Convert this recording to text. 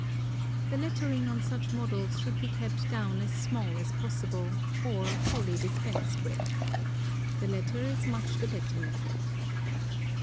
The lettering on such models should be kept down as small as possible, or wholly dispensed with. The latter is much the better method.